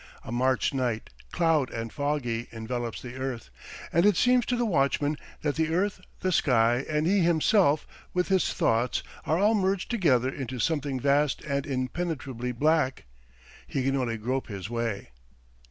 A March night, cloudy and foggy, envelopes the earth, and it seems to the watchman that the earth, the sky, and he himself with his thoughts are all merged together into something vast and impenetrably black. He can only grope his way.